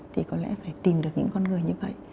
thì có lẽ phải tìm được những con người như vậy